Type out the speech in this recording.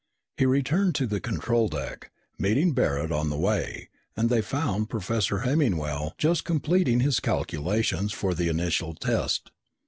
He returned to the control deck, meeting Barret on the way, and they found Professor Hemmingwell just completing his calculations for the initial test.